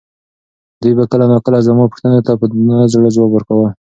دوی به کله ناکله زما پوښتنو ته په نه زړه ځواب ورکاوه.